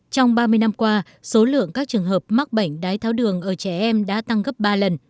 trong ba mươi năm qua số lượng các trường hợp mắc bệnh đái tháo đường ở trẻ em đã tăng gấp ba lần